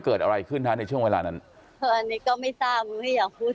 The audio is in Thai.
เกิดอะไรขึ้นฮะในช่วงเวลานั้นอันนี้ก็ไม่ทราบไม่อยากพูด